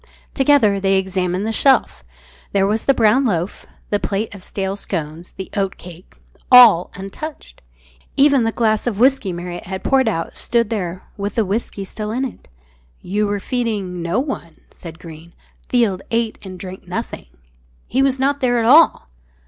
Together they examined the shelf. There was the brown loaf, the plate of stale scones, the oatcake, all untouched. Even the glass of whisky Marriott had poured out stood there with the whisky still in it. "You were feeding no one," said Greene "Field ate and drank nothing. He was not there at all!"